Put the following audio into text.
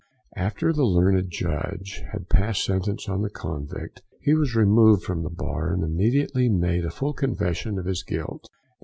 After the Learned Judge had passed sentence on the convict, he was removed from the bar, and immediately made a full confession of his guilt.